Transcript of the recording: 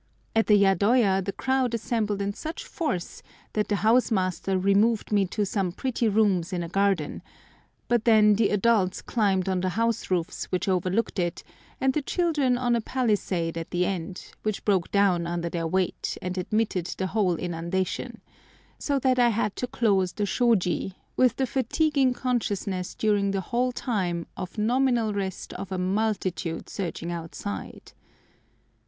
At the yadoya the crowd assembled in such force that the house master removed me to some pretty rooms in a garden; but then the adults climbed on the house roofs which overlooked it, and the children on a palisade at the end, which broke down under their weight, and admitted the whole inundation; so that I had to close the shôji, with the fatiguing consciousness during the whole time of nominal rest of a multitude surging outside.